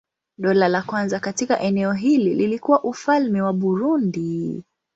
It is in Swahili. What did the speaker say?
Dola la kwanza katika eneo hili lilikuwa Ufalme wa Burundi.